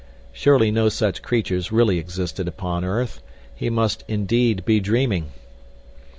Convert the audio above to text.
Surely no such creatures really existed upon earth—he must indeed be dreaming.